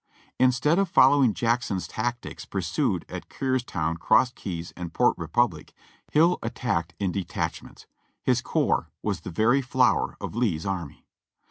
Instead of following Jackson's tactics pursued at Kernstown, Cross Keys, and Port Republic, Hill attacked in detachments. His corps was the very flower of Lee's army.